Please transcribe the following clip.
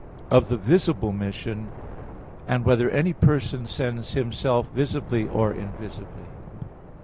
(7) Of the visible mission. (8) Whether any person sends Himself visibly or invisibly?